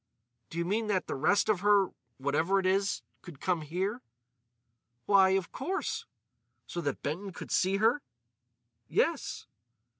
"Do you mean that the rest of her—whatever it is—could come here?" "Why, of course." "So that Benton could see her?" "Yes."